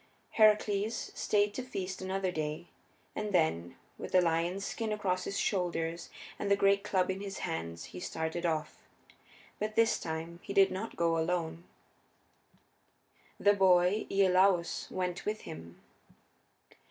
Heracles stayed to feast another day, and then, with the lion's skin across his shoulders and the great club in his hands, he started off. But this time he did not go alone; the boy Iolaus went with him.